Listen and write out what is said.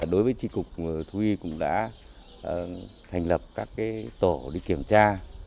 đối với trị cục thu y cũng đã thành lập các tổ đi kiểm tra